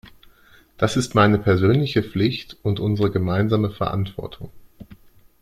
Das ist meine persönliche Pflicht und unsere gemeinsame Verantwortung.